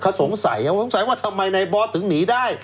เขาสงสัยสงสัยว่าทำไมในบอสถึงหนีได้